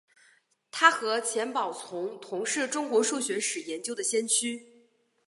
他和钱宝琮同是中国数学史研究的先驱。